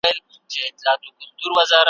شاوخوا یې باندي ووهل څرخونه ,